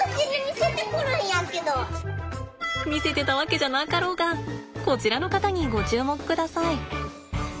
見せてたわけじゃなかろうがこちらの方にご注目ください。